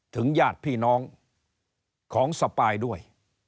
ญาติพี่น้องของสปายด้วย